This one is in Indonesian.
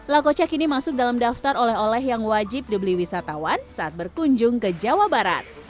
lakoca kini masuk dalam daftar oleh oleh yang wajib dibeli wisatawan saat berkunjung ke jawa barat